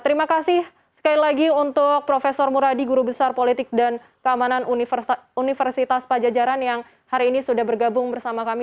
terima kasih sekali lagi untuk prof muradi guru besar politik dan keamanan universitas pajajaran yang hari ini sudah bergabung bersama kami